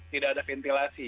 tidak ada ventilasi